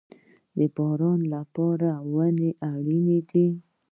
د باران لپاره ونې اړین دي